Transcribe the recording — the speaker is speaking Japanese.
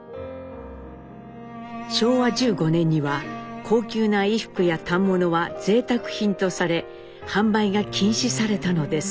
昭和１５年には高級な衣服や反物はぜいたく品とされ販売が禁止されたのです。